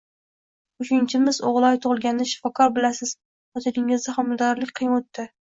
Uchinchimiz O`g`iloy tug`ilganida shifokor Bilasiz, xotiningizda homiladorlik qiyin o`tdi